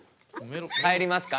帰りますか？